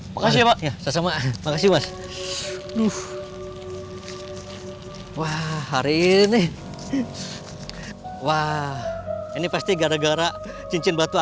makasih pak sama makasih mas wah hari ini wah ini pasti gara gara cincin batu